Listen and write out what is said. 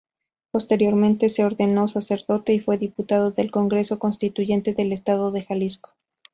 Posteriormente se ordenó sacerdote y fue diputado del Congreso Constituyente del Estado de Jalisco.